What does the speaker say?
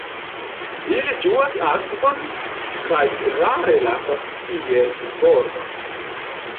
Ili ĝuas akvon kaj rare lasas ties bordon.